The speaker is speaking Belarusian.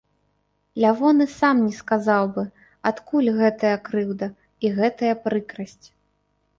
Лявон і сам не сказаў бы, адкуль гэтая крыўда і гэтая прыкрасць.